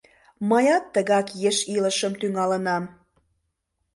Мыят тыгак еш илышым тӱҥалынам.